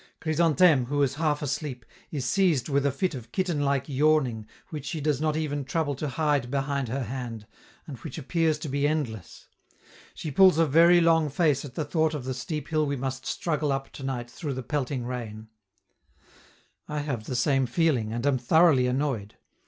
Chrysantheme, who is half asleep, is seized with a fit of kitten like yawning which she does not even trouble to hide behind her hand, and which appears to be endless. She pulls a very long face at the thought of the steep hill we must struggle up tonight through the pelting rain. I have the same feeling, and am thoroughly annoyed.